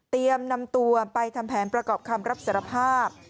นำตัวไปทำแผนประกอบคำรับสารภาพ